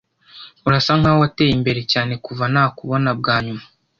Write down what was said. Urasa nkaho wateye imbere cyane kuva nakubona bwa nyuma.